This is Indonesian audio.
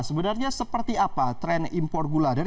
sebenarnya seperti apa tren impor gula